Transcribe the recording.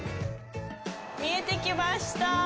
見えてきました。